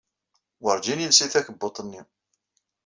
Wurǧin yelsi takebbuḍt-nni.